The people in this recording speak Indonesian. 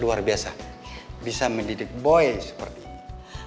luar biasa bisa mendidik boy seperti ini